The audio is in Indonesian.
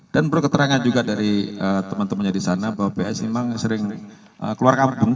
dan perlu keterangan juga dari teman temannya di sana bahwa ps memang sering keluar kampung